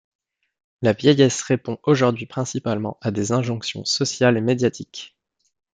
La vieillesse répond aujourd'hui principalement à des injonctions sociales et médiatiques.